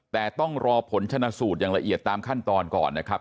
แต่ต้องรอผลชนะสูตรอย่างละเอียดตามขั้นตอนก่อนนะครับ